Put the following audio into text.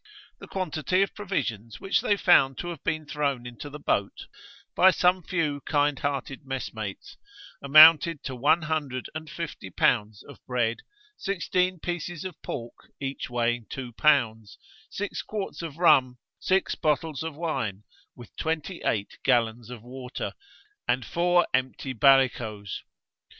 The quantity of provisions which they found to have been thrown into the boat, by some few kind hearted messmates, amounted to one hundred and fifty pounds of bread, sixteen pieces of pork, each weighing two pounds, six quarts of rum, six bottles of wine, with twenty eight gallons of water, and four empty barricoes.